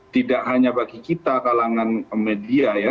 tidak hanya bagi kita kalangan media ya